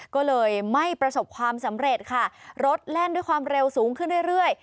ก็เลยไม่ประสบความสำเร็จค่ะรถแล่นด้วยความเร็วสูงขึ้นเรื่อย